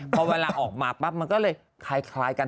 พอเวลาออกมาปั๊บมันก็เลยคล้ายกัน